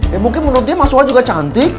ya mungkin menurutnya mas suha juga cantik